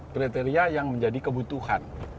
kriteria yang menjadi kebutuhan